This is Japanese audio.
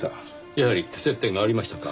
やはり接点がありましたか。